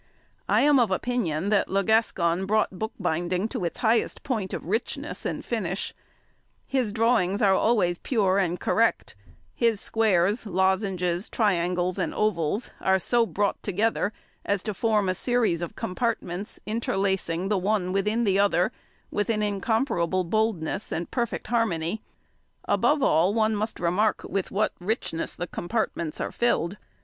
I am of opinion that Le Gascon brought bookbinding to its highest point of richness and finish. His drawings are always pure and correct; his squares, lozenges, triangles, and ovals are so brought together as to form a series of compartments interlacing the one within the other, with an incomparable boldness and perfect harmony; above all, one must remark with what richness the compartments are filled.